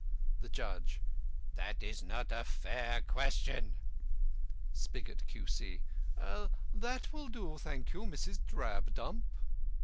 The JUDGE: "That is not a fair question." SPIGOT, Q.C.: "That will do, thank you, Mrs. Drabdump."